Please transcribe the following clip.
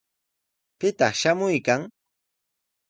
¿Pitaq shamuykan?